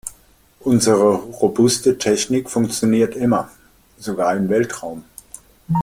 Unsere robuste Technik funktioniert immer, sogar im Weltraum.